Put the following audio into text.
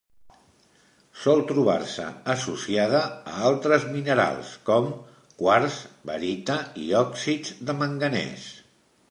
Sol trobar-se associada a altres minerals com: quars, barita i òxids de manganès.